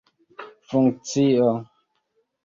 funkcio